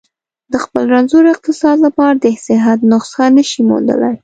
د خپل رنځور اقتصاد لپاره د صحت نسخه نه شي موندلای.